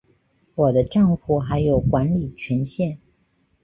我的帐户还有管理权限